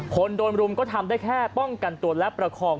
คนโดนรุมก็ทำได้แค่ป้องกันตัวและประคอง